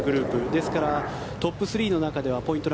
ですから、トップ３の中ではポイント